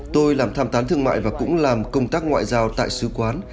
tôi làm tham tán thương mại và cũng làm công tác ngoại giao tại sứ quán